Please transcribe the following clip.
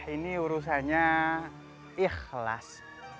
ini urusannya ikhlas